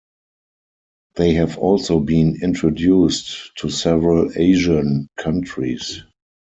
They have also been introduced to several Asian countries.